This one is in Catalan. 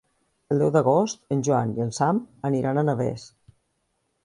El deu d'agost en Joan i en Sam aniran a Navès.